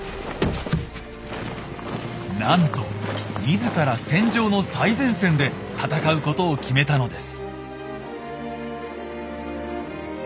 なんと自ら戦場の最前線で戦うことを決めたのです。